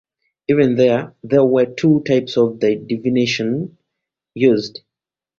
Even there, there were two types of the divination used.